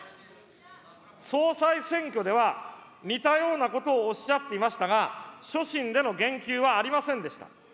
総裁選挙では、似たようなことをおっしゃっていましたが、所信での言及はありませんでした。